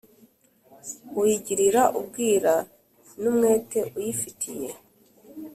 uyigirira ubwira n’umwete uyifitiye,